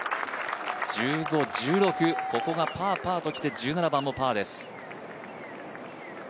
１５、１６、ここがパー、パーときて、１７番もパーです。